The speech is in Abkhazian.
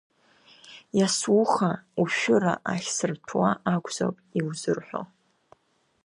Иасуаха ушәыра ахьсырҭәуа акәхап иузырҳәо.